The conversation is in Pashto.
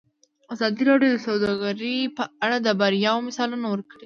ازادي راډیو د سوداګري په اړه د بریاوو مثالونه ورکړي.